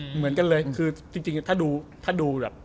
เหมือนกันเลยคือจริงถ้าดูแบบ